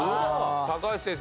高橋先生